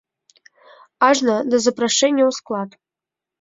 Ажно да запрашэння ў склад.